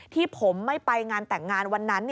ที่ผมไม่ไปงานแต่งงานวันนั้น